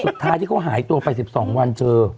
สุดท้ายที่เขาหายตัวไป๑๒วันเจอ